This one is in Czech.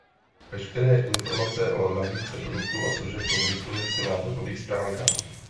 Veškeré informace o nabídce produktů a služeb jsou k dispozici na webových stránkách.